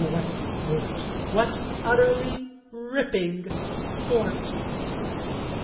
what sport what utterly ripping sport!"